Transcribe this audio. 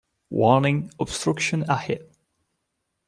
Warning! Obstruction ahead.